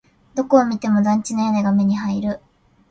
どこを見ても団地の屋根が目に入る。それくらいしか見えるものはない。